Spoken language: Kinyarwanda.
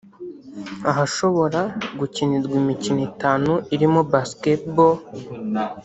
ahashobora gukinirwa imikino itanu irimo Basketball